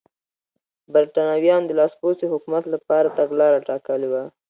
برېټانویانو د لاسپوڅي حکومت لپاره تګلاره ټاکلې وه.